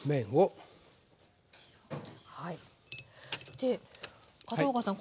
で片岡さん